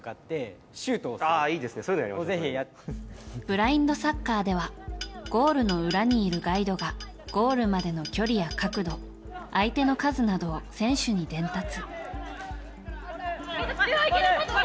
ブラインドサッカーではゴールの裏にいるガイドがゴールまでの距離や角度相手の数などを選手に伝達。